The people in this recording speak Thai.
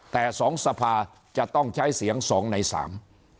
แต่สองสภาจะต้องใช้เสียงสองในสาม